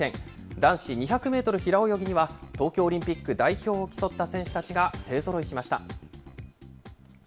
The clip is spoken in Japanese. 男子２００メートル平泳ぎには、東京オリンピック代表を競った選手たちが勢ぞろいしました。